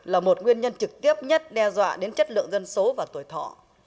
là một nguyên nhân trực tiếp nhất đe dọa đến chất lượng dân số và tuổi thọ